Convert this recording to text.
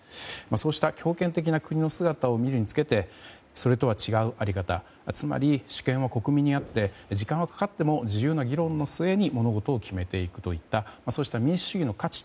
そうした強権的な国の姿を見るにつけてそれとは違うあり方つまり、主権は国民にあって時間はかかっても自由な議論の末に物事を決めていくといったそうした民主主義の価値